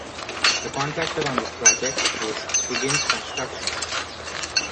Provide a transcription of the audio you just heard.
The contractor on this project is Higgins Construction.